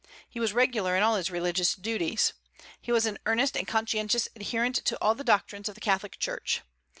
He was regular in all his religious duties. He was an earnest and conscientious adherent to all the doctrines of the Catholic Church.